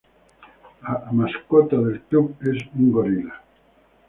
La mascota del club es un Gorila.